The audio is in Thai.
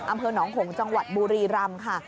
อำเภอหนองหงจังหวัดบุรีรำค่ะ